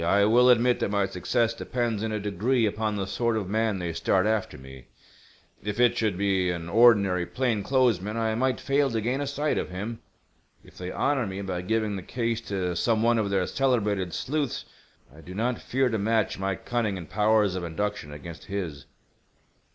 "I will admit that my success depends in a degree upon the sort of man they start after me. If it should be an ordinary plain clothes man I might fail to gain a sight of him. If they honor me by giving the case to some one of their celebrated sleuths I do not fear to match my cunning and powers of induction against his."